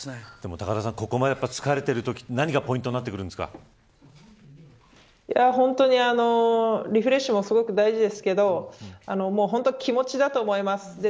高田さん、ここまで疲れているとリフレッシュもすごく大事ですが本当に、気持ちだと思います。